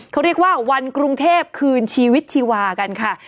เขาเรียกว่าวันกรุงเทพคืนชีวิตชีวากันค่ะ